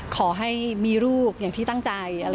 ขอให้มีลูกอย่างที่ตั้งใจ